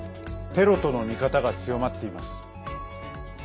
テロとの見方が強まっています。